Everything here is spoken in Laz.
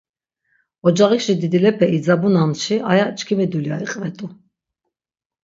Ocağişi didilepe idzabunanşi aya çkimi dulya iqvet̆u.